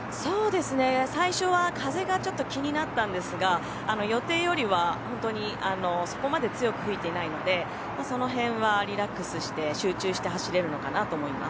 最初は風がちょっと気になったんですが予定よりは本当にそこまで強く吹いてないのでその辺はリラックスして集中して走れるのかなと思います。